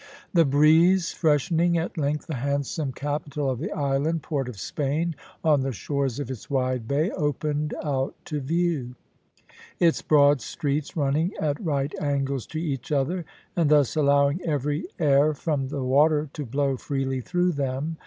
The breeze freshening, at length the handsome capital of the island, Port of Spain, on the shores of its wide bay, opened out to view; its broad streets running at right angles to each other, and thus allowing every air from the water to blow freely through them.